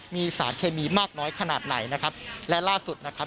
มีสารเคมีมากน้อยขนาดไหนนะครับและล่าสุดนะครับ